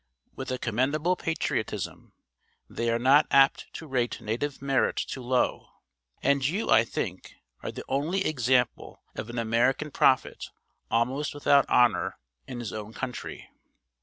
With a commendable patriotism, they are not apt to rate native merit too low; and you, I think, are the only example of an American prophet almost without honour in his own country.